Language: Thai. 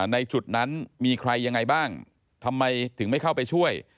ในจุดนั้นมีใครยังไงบ้างทำไมถึงไม่เข้าไปช่วย